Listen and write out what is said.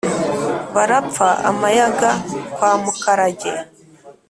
barapfa amayaga kwa mukarage